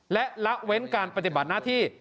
และละเว้นการปฏิบัติหน้าที่